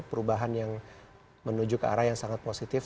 perubahan yang menuju ke arah yang sangat positif